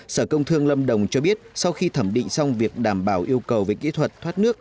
sở công thương lâm đồng cho biết sau khi thẩm định xong việc đảm bảo yêu cầu về kỹ thuật thoát nước